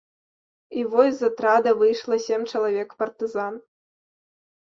І вось з атрада выйшла сем чалавек партызан.